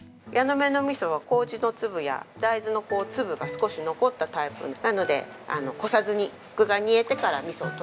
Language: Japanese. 目の味噌は糀の粒や大豆の粒が少し残ったタイプなのでこさずに具が煮えてから味噌を溶いて。